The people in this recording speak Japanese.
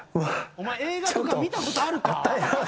お前、映画とか見たことあるか。